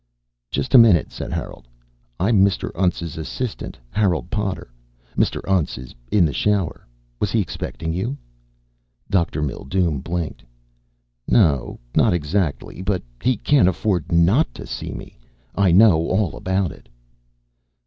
"Just a minute," said Harold. "I'm Mr. Untz's assistant, Harold Potter. Mr. Untz is in the shower. Was he expecting you?" Dr. Mildume blinked. "No, not exactly. But he can't afford not to see me. I know all about it."